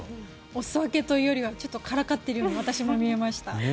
お裾分けというよりはからかっているように私も見えました。